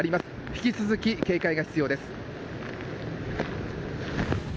引き続き警戒が必要です。